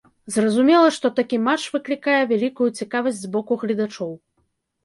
Зразумела, што такі матч выклікае вялікую цікавасць з боку гледачоў.